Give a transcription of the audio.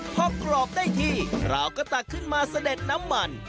พอกรอบได้ที่เราก็ตักขึ้นมาเสด็จน้ำมัน